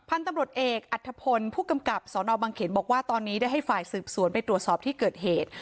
พันธุ์ตำรวจเอกอัธพลผู้กำกับสนบังเขนบอกว่าตอนนี้ได้ให้ฝ่ายสืบสวนไปตรวจสอบที่เกิดเหตุ